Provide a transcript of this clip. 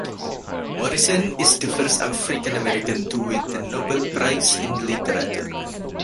Morrison is the first African American to win the Nobel Prize in Literature.